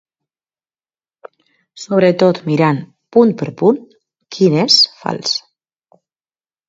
Sobretot mirant punt per punt quin és fals.